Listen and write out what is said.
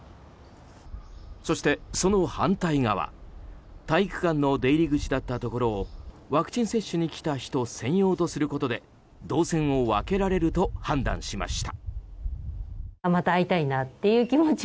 そして、その反対側体育館の出入り口だったところをワクチン接種に来た人専用とすることで動線を分けられると判断しました。